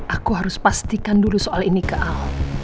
aku harus pastikan dulu soal ini ke ahok